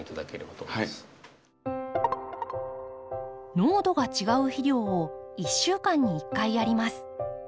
濃度が違う肥料を１週間に１回やります。